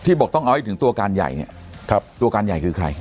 ที่บอกต้องใช้ไปถึงตัวกาลใหญ่ตัวกาลใหญ่คือใคร